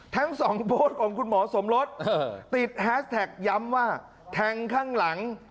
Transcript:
ทั้งสองโพสต์ของคุณหมอสมรสติดแฮสแท็กย้ำว่าแทงข้างหลัง